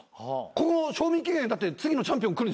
ここ賞味期限だって次のチャンピオン来るでしょ？